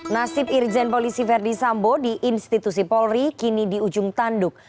nasib irjen polisi verdi sambo di institusi polri kini di ujung tanduk